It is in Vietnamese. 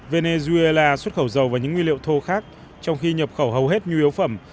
venezuela xuất khẩu dầu và những nguyên liệu thô khác trong khi nhập khẩu hầu hết nhu yếu phẩm